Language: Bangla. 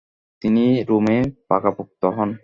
তিনি রোমে পাকাপোক্ত হন।